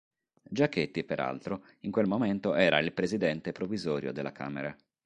Giachetti, peraltro, in quel momento era il Presidente provvisorio della Camera.